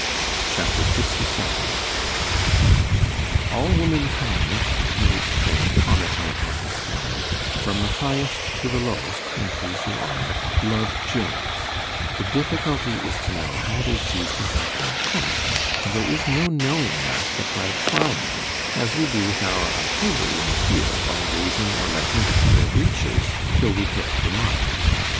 C H A P. LXVII ALL womankind, continued Trim, (commenting upon his story) from the highest to the lowest, an' please your honour, love jokes; the difficulty is to know how they chuse to have them cut; and there is no knowing that, but by trying, as we do with our artillery in the field, by raising or letting down their breeches, till we hit the mark.